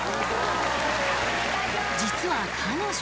［実は彼女］